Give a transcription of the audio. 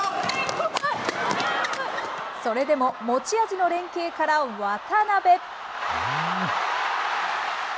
それでも持ち味の連係から渡辺。